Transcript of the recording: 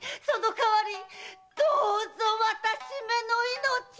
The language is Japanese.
その代わりどうぞ私めの命を！